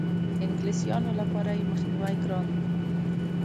انګلیسیانو لپاره یې مخنیوی ګران وي.